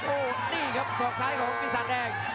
โอ้นิ่งครับส่อขวางของปีศาสตร์แดง